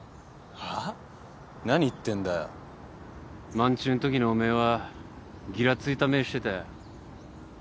萬中んときのおめえはギラついた目してたよ。